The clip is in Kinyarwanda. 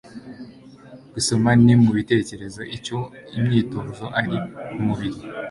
gusoma ni mubitekerezo icyo imyitozo ari kumubiri